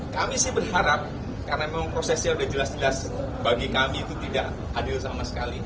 kami sih berharap karena memang prosesnya sudah jelas jelas bagi kami itu tidak adil sama sekali